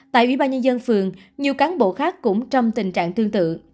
tại ubnd phường nhiều cán bộ khác cũng trong tình trạng tương tự